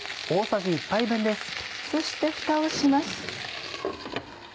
そしてふたをします。